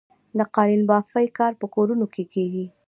د قالینبافۍ کار په کورونو کې کیږي؟